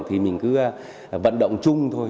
thì mình cứ vận động chung thôi